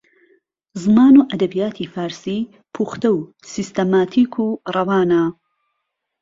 زمان و ئەدەبیاتی فارسی پوختە و سیستەماتیک و ڕەوانە